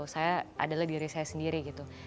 saya adalah diri saya sendiri gitu